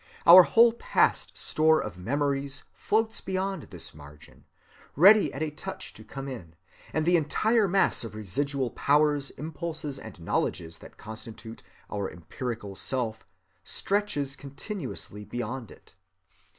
Our whole past store of memories floats beyond this margin, ready at a touch to come in; and the entire mass of residual powers, impulses, and knowledges that constitute our empirical self stretches continuously beyond it.